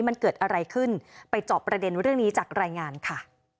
มันเกิดอะไรขึ้นไปเจาะประเด็นเรื่องนี้จากรายงานค่ะ